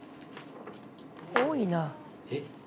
「多いな」